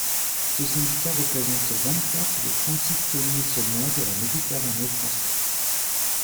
Ce syndicat représente vingt-quatre des trente-six thoniers-senneurs de la Méditerranée française.